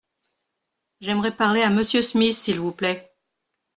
J’aimerais parler à monsieur Smith s’il vous plait.